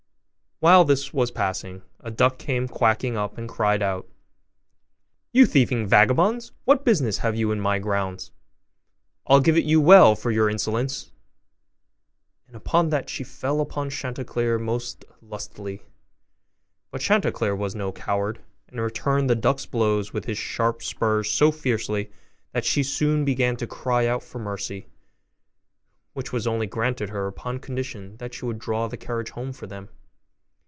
While this was passing, a duck came quacking up and cried out, 'You thieving vagabonds, what business have you in my grounds? I'll give it you well for your insolence!' and upon that she fell upon Chanticleer most lustily. But Chanticleer was no coward, and returned the duck's blows with his sharp spurs so fiercely that she soon began to cry out for mercy; which was only granted her upon condition that she would draw the carriage home for them.